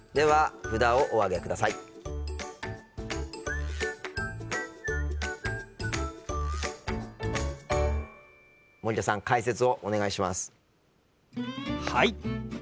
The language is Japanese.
はい！